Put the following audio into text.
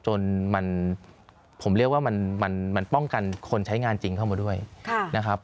จนผมเรียกว่ามันป้องกันคนใช้งานจริงเข้ามาด้วยนะครับ